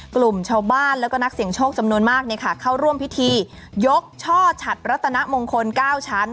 กลุ่มชาวบ้านแล้วก็นักเสียงโชคจำนวนมากเข้าร่วมพิธียกช่อฉัดรัตนมงคล๙ชั้น